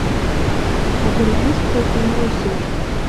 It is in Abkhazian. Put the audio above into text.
Абыржәыҵәҟьоуп ианоусыжь.